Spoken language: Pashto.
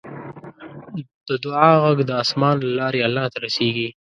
د دعا غږ د اسمان له لارې الله ته رسیږي.